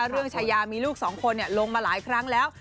เรื่องชายามีลูกสองคนลงมาหลายครั้งแล้ว